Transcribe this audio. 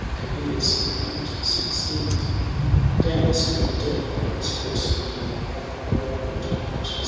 Careers the hunter's steed. Down the steep dell his course amain Hath rivalled archer's shaft ; 1 [M 8.